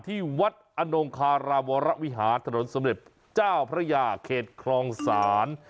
ที่วัดอนงคาราวรวิหารถนนสมเด็จเจ้าพระยาเขตครองศาล